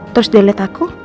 terus dia liat aku